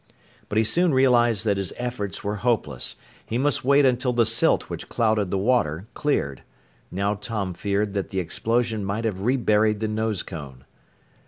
But he soon realized that his efforts were hopeless. He must wait until the silt which clouded the water cleared. Now Tom feared that the explosion might have reburied the nose cone.